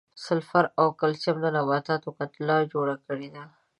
سلفر او کلسیم د نباتاتو کتله جوړه کړې ده.